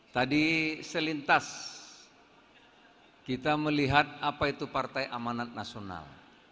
tadi selintas kita melihat apa itu partai amanat nasional